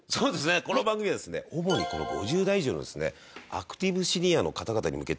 この番組はですね主に５０代以上のですねアクティブシニアの方々に向けて。